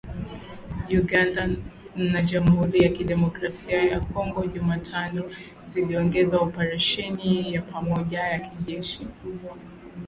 Uganda na Jamuhuri ya Kidemokrasia ya Kongo Jumatano ziliongeza operesheni ya pamoja ya kijeshi